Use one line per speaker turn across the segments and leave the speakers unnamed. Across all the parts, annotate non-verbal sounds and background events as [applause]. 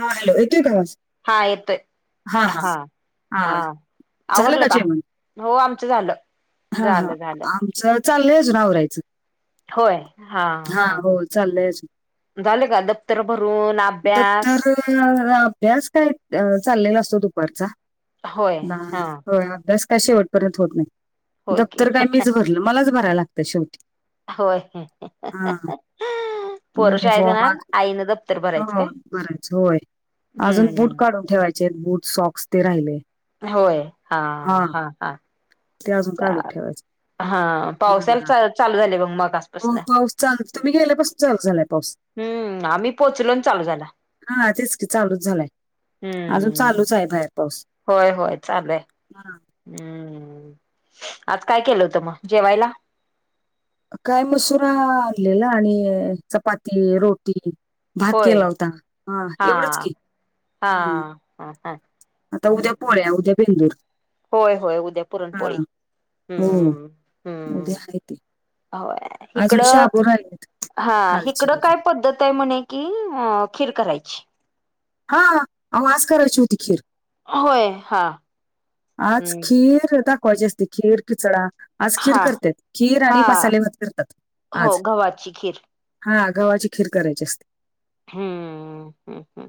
हा हॅलो येतोय का आवाज
हां येतंय
हा हा
हां
हा
हां.
झालं
आवरलं का? हो आमचं झालं.
हां हां
झालं झालं.
आमचं चाललंय अजून आवरायचं.
होय हां.
हा हो चाललंय अजून.
झालं का दप्तर भरून अभ्यास?
[unintelligible] अभ्यास काय अ चाललेला असतो दुपारचा.
होय हा
[unintelligible] होय अभ्यास काय शेवटपर्यंत होत नाही,
होय की
दफ्तर काय मीच भरलं. मलाच भराय लागतं शेवटी.
होय.
हा
पोरं शाळेला जाणार आईनं दप्तर भरायचं काय?
भरायचे होय, अजून बूट
हम्म
काढून ठेवायचेत बूट सॉक्स ते राहिले.
होय, हां
हा
हां हां.
ते अजून काढून ठेवायचे
[unintelligible] हां
हा,
पावसाला
हा.
चा-चालू झाले ब मगा.
हो पाऊस चाल तुम्ही गेल्यापासून चालू झालाय पाऊस.
हम्म आम्ही पोचलो आणि चालू झाला
हां तेच की चालूच झालाय अजून
हम्म
चालूच आहे बाहेर. पाऊस
होय होय चालू आहे.
हा.
हम्म आज काय केलं होतं मग जेवायला?
काय मसुरा आणलेलं आणि चपाती रोटी. भात
होय
केला होता हां एवढंच
हा
की,
हा
हम्म
हा हा
आता उद्या पोळ्या उद्या बेंदूर.
होय होय उद्या
हा.
पुरणपोळी
हो
हम्म
उद्या आहे ते
हम्म होय.
अजून
[unintelligible]
शाबू राहिलेत
हां
कालची
इकडं काय
अजून
पद्धत आहे म्हणे. की अ खीर करायची.
हां अहो आज करायची होती खीर.
होय हां.
आज खीर दाखवायची असते खीर. खिचडा आज खीर
हा
करत्यात खीर
हा
आणि मसाले भात करतात
हो
आज.
गव्हाची खीर
हां गव्हाची खीर करायची असते.
हम्म, हम्म हम्म.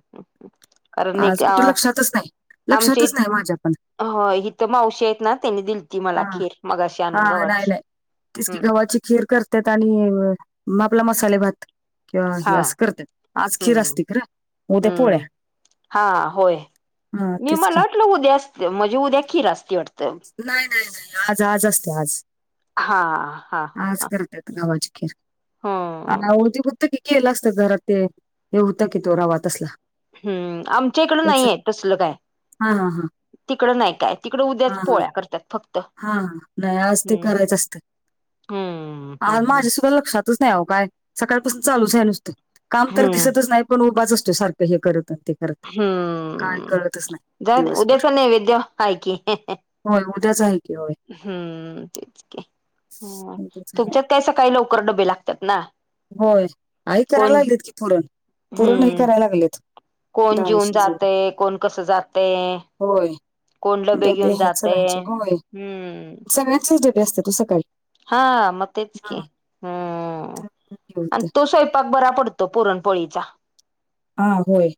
आज कुठं लक्षातच नाही,
आमच्या इ
लक्षातच नाय माझ्यापण.
हो इथं मावशी आहेत ना त्यांनी दिल
हा हा नाही नाही, तीच की
हम्म
गव्हाची खीर कर त्यात आणि म आपला मसाले भात. किंवा
हा
हे असं करत्यात. आज खीर
हम्म
असते खरं, मग उद्या पोळ्या.
हम्म हा होय,
हा
मी
तेच की
मला वाटलं उद्या असत्या म्हणजे उद्या खीर असती वाटतं.
नाही नाही नाही आज आज असत्या आज.
हा हा हा
आज
हा
करतेत गव्हाची खीर. अ
हम्म
उदी हुतं की ते केलं असत घरात ते, हे होतं की तो रवा तसला.
हम्म आमच्या इकडं
त्याच
नाहीये तसल काय,
हा हा हा
तिकडं नाही काय. तिकडं उद्याच पोळ्या करतात फक्त.
हां नाय आज ते
हम्म
करायचं असतंय.
हम्म
आ
हम्म
माझ्या सुद्धा लक्षा ती नाही अहो काय, सकाळपासून चालूच आहे नुसतं. काम तर
हम्म
दिसतच नाही पण उभाच असतोय सारखं हे करत ते. करत काय
हम्म,
कळतच नाही
[unintelligible]
दिवसभर
उद्याचा नैवेद्य हाय की.
होय उद्याच हाय की होय.
हम्म, तेच की. हं
तेच आहे.
तुमच्यात काय सकाळी लवकर डबे लागतात ना?
होय आई कराय
कोण
लागल्यात की थोडं, पुरण ही
हम्म
कराय लागल्यात.
कोण जेऊन जातंय, कोण कसं जातंय.
होय.
कोण डबे घेऊन जातंय, हं.
सगळ्यांचच डबे असत्यात ओ सकाळी.
हा मग तेच की,
हा त्यामुळं हे
हम्मआणि
होतंय
तो स्ववयंपाक बरा पड तो पुरणपोळीचा.
आं होय.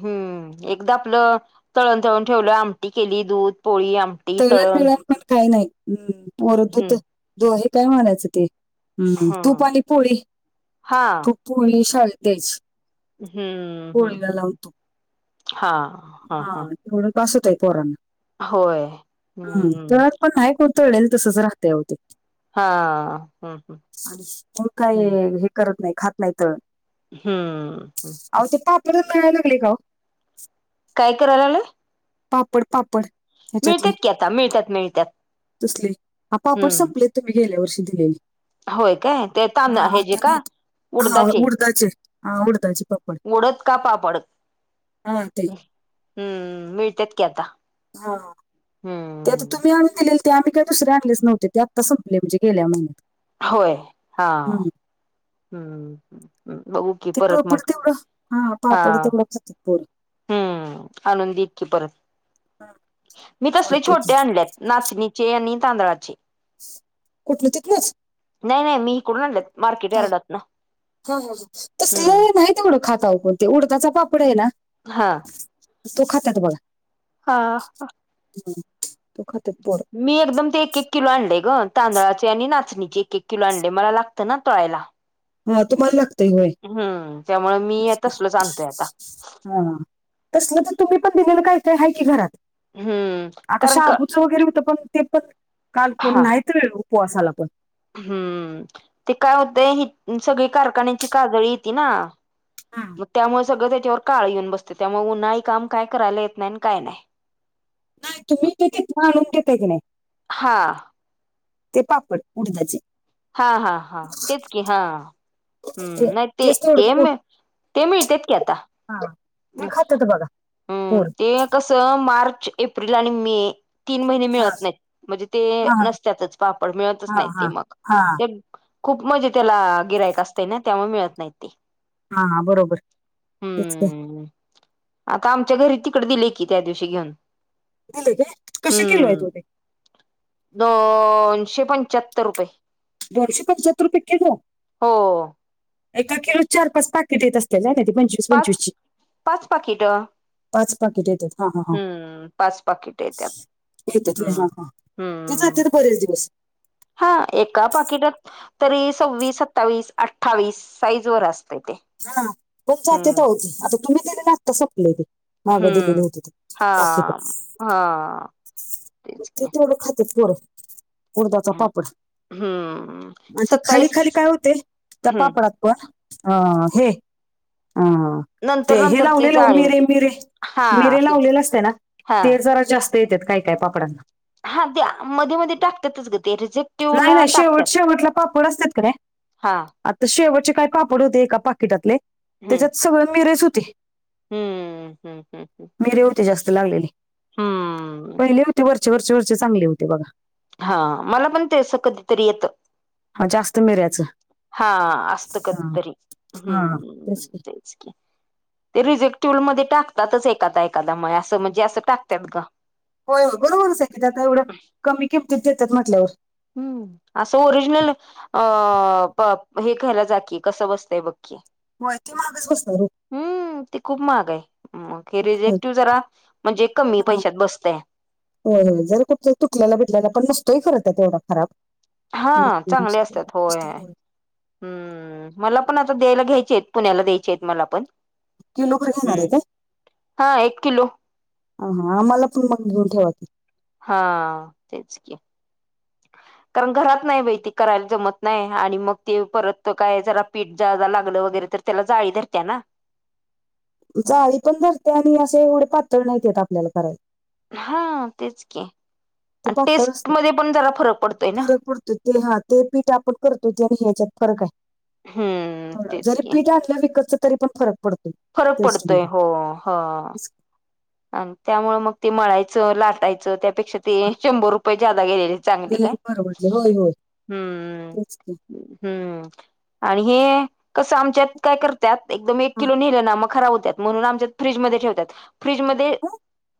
हम्म एकदा आपलं तळण तळून ठेवलं, आमटी केली. दूध, पोळी, आम
तळण्यात बिळण्यात पण काही नाही, हम्म वरदूत
हम्म
दोहे काय म्हणायचं ते? तूप
ह
आणि पोळी,
हा
तूप पोळी शाळेत द्यायची.
हम्म हम्म
पोळीला लावून
हम्म
तूप
हां.
हा तेवढं बास होतंय पोरांना.
होय
हा
हम्म
तळण पण पण न्हाय कोण तळलेल तसच राहंतंय आओ ते,
हा हम्म
मग काय
हम्म
हे करत नाही, खात नाही तळण.
हम्म ह.
अहो ते पातळच मिळा लागले का ओ?
काय कराय लागले?
पापड पापड ह्याच्यातले,
मिळतात की आता मिळतात मिळतात
तसले हा पापड
हम्म
संपलेत. तुम्ही गेल्या वर्षी दिेलेली.
होय काय ते तांद हेजे का?
नाहीत हा उडदाचे, हा उडदाचे पापड.
उडद का पापड
हां ते.
हम्म मिळतेत की आता.
हां ते तर
हम्म
तुम्ही आणून दिले ते आम्ही काही दुसरे आणलेच नव्हते, ते आत्ता संपले आमचे गेल्या महिन्यात.
होय हांव,
हम्म.
हम्म बघू की.
ते
परत
पापड
मग
तेवढं, हां
हा
पापड तेवढंच खातेत पोरं.
हम्म आणून देतकी परत.
हा,
मी तसले
चालतंय की
छोटे आणल्यात. नाचणीचे आणि तांदळाचे.
कुठलं तिथनच
नाही नाही मी इकडून आणलेत मार्केट यार्डात ना.
तसलं
हम्म
तेवढं नाही खात पण उडताचा पापड आहे ना.
हा
तो खातात बरं.
हा.
हम्म तो खातात पोरं.
मी एकदम ते एक-एक किलो तांदळाचे आणि नाचणीचे एक एक किलो आणले मला लागतं ना तळायला.
हा तुम्हाला लाग
हम्म त्यामुळे मी तसलोच आणतोय आता.
हा हा तसलं तर तुम्ही पण दिलेलं काय ते आहेय की घरात.
हम्म
आता
कारण का
शाबूचा वगैरे होतं पण ते पण काल कोण
हा
नाही तळेल उपवासाला पण.
हम्म ते काय होतंय ही सगळी कारखान्याची कादळी येती ना.
हा
मग त्यामुळे सगळं त्याच्यावर काळ येऊन बसत त्यामुळे उन्हाळी काम काय करायला येत नाय आणि काय नाय.
नाही तुम्ही ते तिथनं आणून घेताय की नाही
हा
ते पापड उडदाचे.
हा हा हा तेच की हा. हम्म नाही ते
तेच थोडं पो-
ते ते मिळतेत की आता.
हा. ते खातात बघा
हम्म
पोर
ते कसं मार्च एप्रिल आणि मे तीन महिने
हा
मिळत नाहीत म्हणजे ते
हा
नसत्यातच पापड मिळतच
हा
नाहीत ते
हा
मग
हा
ते खूप म्हणजे त्याला गिराइक असते ना त्यामुळे मिळत नाही ते.
हा हा बरोबर तेच की.
हम्म आता आमच्या घरी तिकडे दिले की त्या दिवशी घेऊन.
दिले का कसं किलो आहे
हम्म
तेवढे?
दोनशे पंच्याहत्तर रुपये.
दोनशे पंच्याहत्तर रुपये किलो.
हो.
एका किलो चार पाच पाॅकेट येत असते जा नाय ते पंच
पाच पाच पाकीटं.
पाच पाकीट येत्यात.
हम्म पाच पाकिट येत्यात.
[unintelligible]
हम्म
तिचं ते
हम्म
बरे आहे दिवस.
हा एका पाकिटात तरी सव्वीस सत्तावीस अठ्ठावीस साईज वर असते ते.
हा पण जाते तर होती आता तुम्ही दिले ना आता संपले ते मागं दिलेली होती ते. पाकिट
हांम हां.
ते तेवढं खातेत पोरं उडदाचा पापड.
हम्म
आणि ते खाली
सत्तावीस
खाली काय होते त्या
हम्म
पापडात पण अ हे आं.
नंतर
ते हे
नंतर ती
लावलेलं हो
जाळी
मिरे
होती हा
मिरे
ते
लावलेलं असत्या ना
हा
ते जरा जास् त येतेत काय काय पापडांना.
हा द्या मध्ये मध्ये टाकतातच गं ते रिजे
नाय नाय शेवट शेवटला पापड असत्यात क नाय
हा
आता शेवटचे काय पापड होते एका पाकिटातले
हम्म
त्याच्यात सगळे मिरेच होते.
हम्म हम्म हम्म हम्म.
ते जास्त लागलेले
हम्म
पहिले होते वरचे वरचे वरचे चांगले होते बघा.
हा मला पण ते असं कधीतरी येतं.
हां जास्त मिऱ्याचं.
हां असतं
हा.
कधीतरी,
हा तेच
हम्म
की.
तेच की. ते रिजेक्टिवल मध्ये टाकतातच एखादा एखादा म ये असं म्हणजे असं टाकतात का?
होय होय बरोबरच हाय की मग आता एवढं कमी किमतीत देतात म्हंटल्यावर.
हम्म असं ओरिजनल अ प हे घ्यायला जाकी, कसं बसतंय बघ की.
होय ते महागच बसतंय हो.
हम्म ते खूप महाग आहे, मग हे
महाग आहे.
रिजेक्टिव जरा म्हणजे कमी पैशात बसतंय.
हो हो जर कुठचं तुटल्याला बिटल्याला पण नसतोय खरं त्यात एवढा फरक.
हा चांगली असत्यात होय. हम्म मलापण आता द्यायला घ्यायची हायत, पुण्याला द्यायची हायत मलापण.
किलो भर घेणार
हम्म,
आहे काय?
हां एक किलो.
अं आम्हाला पुढे मग घेऊन ठेवाकी.
हा तेच की. कारण घरात नाही बाई ते करायला जमत नाही आणि मग ते परत काय जरा पीठ ज्यादा लागलं वगैरे तर त्याला जाळी धरत्या ना.
जाळी पण धरत्या आणि असे एवढे पातळ नाहीत येत आपल्याला कराय.
हां तेच की
ते
आणि
पातळ
टेस्ट मध्ये पण जरा फरक पडतोय ना.
तो तेल हा ते पीठ आपण करतो ते आणि ह्याच्यात फरक हाय
हम्म
थोडा.
तेच
जरी
की
पीठ आणलं विकतच तरी पण फरक पडतो
फरक पडतोय
टेस्टमध्ये
हो ह.
तेच की.
आणि त्यामुळे मग ते मळायचं, लाटायचं त्यापेक्षा ते
होय.
शंभर रुपये ज्यादा गेलेले चांगली काय,
गेल्याने परवडले होय होय.
हम्म.
तेच की.
हम्म आणि हे कसं आमच्यात काय करत्यात एकदम एक
हा
किलो नेलं ना मग खराब होत्यात, म्हणून आमच्यात फ्रीजमध्येे ठेवत्यात. फ्रीजमध्ये ते
हो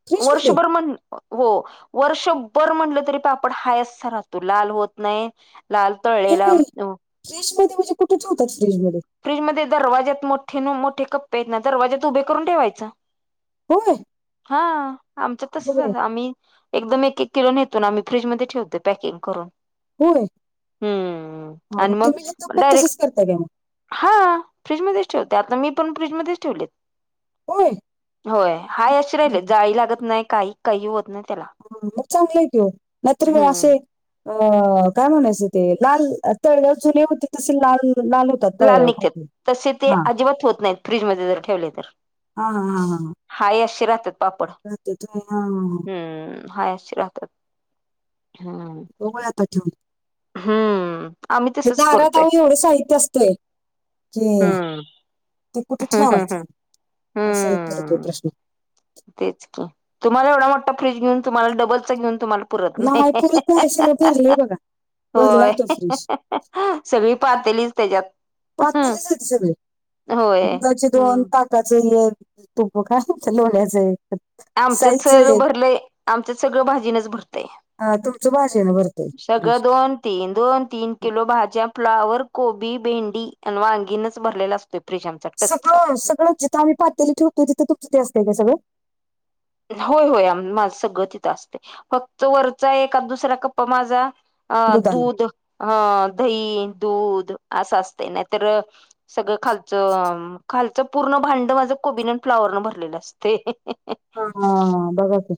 फ्रीज मध्ये
वर्षभर म्हण हो वर्षभर म्हटलं तरी पापड आपण हाय असा राहतो. लाल होत नाही लाल तळलेला
[unintelligible]
फ्रीजमध्ये दरवाज्यात मोठे न मोठे कप्पे आहेत ना, दरवाज्यात उभे करून ठेवायचा.
होय
हा आमच्यात तसंच
होय
हाय, आम्ही एकदम एक एक किलो नेतो न आम्ही फ्रीजमध्ये ठेवतो पॅकिंग करून.
होय,
हम्म
मग
आणि
तुम्ही घेतल्यावर पण
डायरेक्ट
तसंच करता का मग?
हा फ्रीजमध्येच ठेवते, आता मी पण फ्रीजमध्येच ठेवलेत.
होय
होय हाय अशी राहिलेत, जाळी लागत नाही काही काही होत नाही त्याला.
ह मग चांगलं आहे की ओ, नाहीतर मग
हम्म
असे अ काय म्हणायचं ते लाल, तळल्या जुने होते तसे लाल लाल होतात
लाल
तळल्यावर
निघत्यात
खोकले
तसे ते
हा
अजिबात होत नाहीत, फ्रीजमध्ये जर ठेवले तर.
हा हा हा हा
हाय अशे राहत्यात पापड.
[unintelligible]
हं हाय अशे राहतात हम्म.
उभही आता ठेवून.
हम्म. आम्ही तसच
दारात
करतोय
आओ एवढं साहित्य असतंय की
हम्म
ते कुठे
हम्म
ठेवायचं
हम्म
आणि असाही पडतोय
हम्म
प्रश्न.
तेच की. तुम्हाला एवढा मोठा फ्रीज घेऊन तुम्हाला डबलचा घेऊन तुम्हाला
नाही पुरत [unintelligible] बघा भरलेय बघा भरलाय
होय
तो फ्रीज
सगळी पातेलीच त्याच्यात
पातेलीच आहेत सगळे
होय
दुधाचे दोन
हम्म
तपाच एक तुप काय म्हणता लोण्याचं एक
आमच्यात
साईजच
[unintelligible]
एक
भरलंय आमच्याच सगळं भाजीनच भरतंय
हा तुमचं भाजीन भरतय फ्रिज
दोन तीन दोन तीन किलो भाज्या फ्लावर कोबी भेंडी आणि वांगीनच भरलेला आसतोय फ्रिज आम
सगळं सगळं जिथं आम्ही पातेली ठेवतो जिथे तुमचं ते आसतंय का ते सगळं
होय होय आ माझ् सगळं तिथं आसतंय फक्त वरचा एकाद दुसरा कप्पा माझा अ
दुधानं
दूध हं दही दूध असं आसतंय नाही तर सगळं खालचं खालचं पूर्ण भांड माझ कोबीन फ्लावर न भरलेलं असत ते [unintelligible]
हा हा बघा ते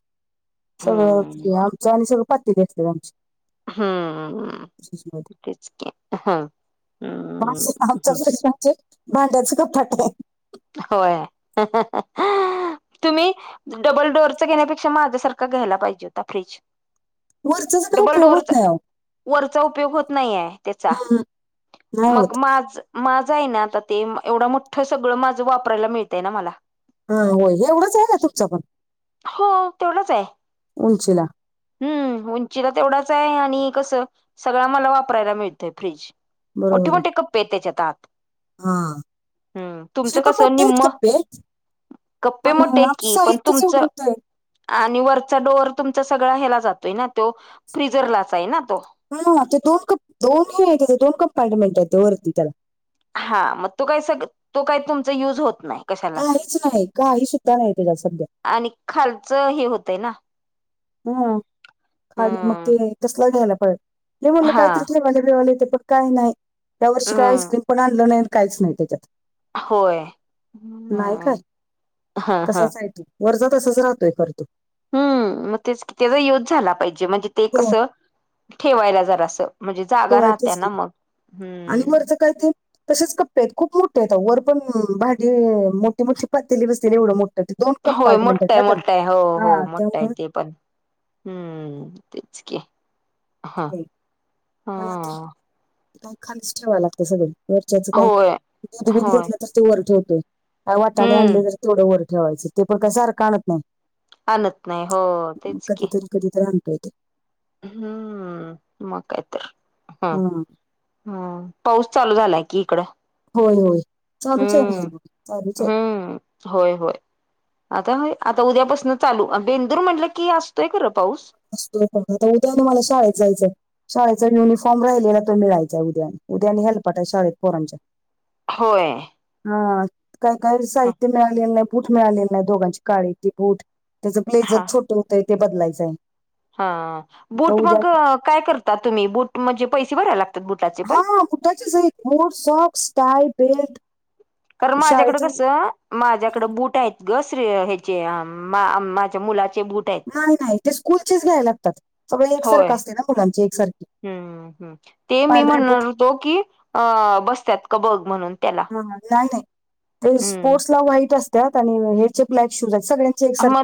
सगळंच
हम्म
की आमचं आणि सगळ पातेली आसतीया आमची
हम्म
फ्रीज मध्ये
तेच की हं
भांड्याच का [unintelligible]
होय तुम्ही डबल डोअरच घेण्यापेक्षा माझ्यासारखा घ्यायला पाहिजे होता फ्रीज
वरचचा काही
डबल
उपयोग होत
डोअरचा
नाही आव
वरचा उपयोग होत नाहीये त्याचा
हम्म, नाही
मग
होत
माझ माझं आहे ना आता ते एवढं मोठ्ठ सगळं माझं वापरायला मिळतंय ना मला
हा होय एवढंच आहे का तुमचं पण
हो तेवढंच आहे
उंचीला
हम्म उंचीला तेवढाच आहे आणि कसं सगळा मला वापरायला मिळतंय फ्रीज मोठे
बरोबर आहे
मोठे कप्पे आहेत तेच्यात आत
हा
हम्म तुमचं
[unintelligible]
कसं
मोठे आहेत
निम्म
कप्पे
कप्पे
पण
मोठे आहेत
आमचं
की पण
साहित्यच एवढं
तुमचं
होतंय
आणि वरचा डोअर तुमचा सगळा ह्याला जातोय ना त्यो फ्रिजरलाच आहे ना तो
हा हा ते दोन क दोनही आहे त्या दोन कंपार्टमेंट आहे त्या वरती त्याला
हा मग तो काय सग तो काही तुमचा युज होत नाही कशालाच
काहीच नाही काही सुद्धा नाही त्याच्यात सध्या
आणि खालचं हे होतय ना
हम खाली मग ते
हम्म
तसला घ्यायला पाहिजे नाही म्हणलं
हा
काहीतरी ठेवायला बिवायला इथं पण काय नाही त्या वर्षी काय
हम्म
आईस्क्रीम पण आणलं नाही काहीच नाही त्याच्यात
होय
नाही काय
हम हा हा
तसाच आहे तो वरचा तसाच राहतोय खरं तर
हम्म मग तेच की त्याचा युज झाला पाहिजे म्हणजे ते
हो
कसं ठेवायला जरा असं म्हणजे जागा राहत्या ना मग हम्म
करते तसेच कप्प आहेत खूप मोठे आहेत आहो वर पण भांडी मोठी मोठी पातेली बसतेली एवढं मोठ
होय मोठाय मोठाय हो हो
हा
मोठा आहे
त्यामुळे
ते पण हम्म तेच की हा
[unintelligible]
हा
पण आता काय खालीच ठेवा लागत सगळ वरच्याचं काय
होय
दूध बीध
होय
घेतलं तर ते वर ठेवतोय का वाटाने
हम्म
आणले तर तेवढं वर ठेवायचं ते पण काय सारखं आणत नाही
आणत नाय हो तेच की
कधी तर आणतोयतो.
हम्म, मग काय तर हम
हं.
हम् पाऊस चालू झालाय की इकडं.
होय होय चालूच आहे
हम्म
बाहेरम चालूच आहे.
हम्म होय होय. आता हाय, आता उद्यापासन चालू बेंदूर म्हटलं की असतोय खरं पाऊस.
असूद्या आता, उद्यान मला शाळाेत जायचंय. शाळेचा युनिफॉर्म राहिलेला तो मिळायचा उद्या, उद्या आणि हेलपटा आहे शाळेत पोरांच्या.
होय.
हा काही काही
ह
साहित्य मिळालेलं नाही बूट मिळालेलं नाही दोघांची काळे ते बूट. त्याचं ब्लेझर
हा
छोटं होतंय ते बदलायचंय.
हा, बूट मग काय करता तुम्ही, बूट म्हणजे पैसे भरायला लागतात? बुटाचे
हा
पण
बुटाचे सहित, बूट, सॉक्स, टाय बेल्ट.
कारण माझ्याकडं
शाळेच्या
कसं माझ्याकडें बूट आहेत ग श्रे ह्याचे माझ्या मुलाचे बूट. आहेत
नाही नाही ते स्कूलचेच घ्यायला लागतात. सगळे एकसारखं असते ना मुलांचे एकसारखे.
हम् ह ते मी म्हणणार होतो की अ बसत्यात का बघ म्हणून. त्याला
हा चात आहे [unintelligible] ते
हम्म
स्पोर्ट्स ला व्हाईट असत्यात आणि हेचे ब्लॅक शूज आहेत सगळ्यांचे एकसारखे
म